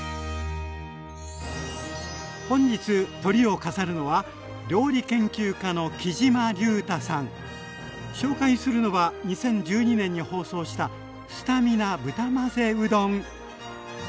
本日トリを飾るのは紹介するのは２０１２年に放送したスタミナ豚混ぜうどん。